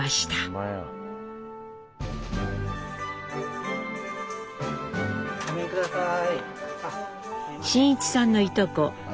ごめんください。